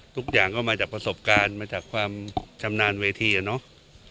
ทุกอย่างก็มาจากประสบการณ์มาจากความชำนาญเวทีอะเนาะ